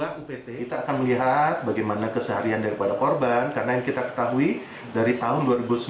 kita upt kita akan melihat bagaimana keseharian daripada korban karena yang kita ketahui dari tahun dua ribu sembilan belas